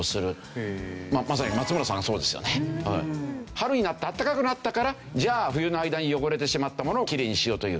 春になってあったかくなったからじゃあ冬の間に汚れてしまったものをきれいにしようという。